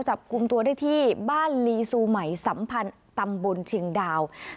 จับกลุ่มตัวได้ที่บ้านลีซูใหม่สัมพันธ์ตำบลเชียงดาว